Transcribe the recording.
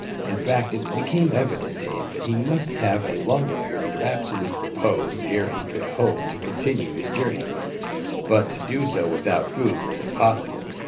In fact, it became evident to him that he must have a longer period of absolute repose ere he could hope to continue his journey; but to do so without food was impossible.